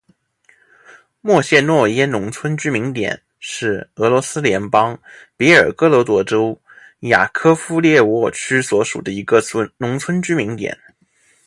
莫谢诺耶农村居民点是俄罗斯联邦别尔哥罗德州雅科夫列沃区所属的一个农村居民点。